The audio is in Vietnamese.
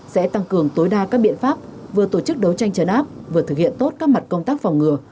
sẽ tăng cường tối đa các biện pháp vừa tổ chức đấu tranh chấn áp vừa thực hiện tốt các mặt công tác phòng ngừa